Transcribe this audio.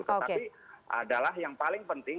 tetapi adalah yang paling penting